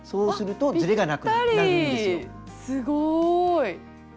すごい！